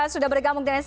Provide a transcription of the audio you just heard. sudah bergamung dengan